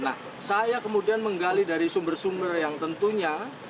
nah saya kemudian menggali dari sumber sumber yang tentunya